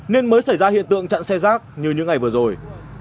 nên mới xảy ra hiện tượng chặn xe rác như những ngày vừa rồi